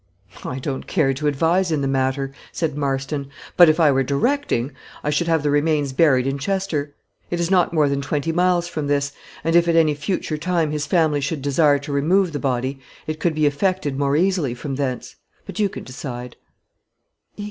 "I don't care to advise in the matter," said Marston; "but if I were directing, I should have the remains buried in Chester. It is not more than twenty miles from this; and if, at any future time, his family should desire to remove the body, it could be effected more easily from thence. But you can decide."